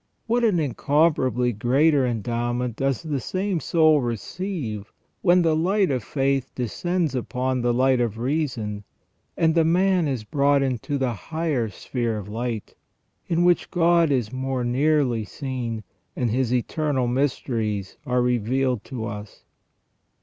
What an incomparably greater endowment does the same soul receive when the light of faith descends upon the light of reason and the man is brought into the higher sphere of light, in which God is more nearly seen, and His eternal mysteries are revealed to us